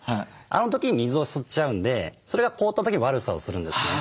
あの時に水を吸っちゃうんでそれが凍った時に悪さをするんですね。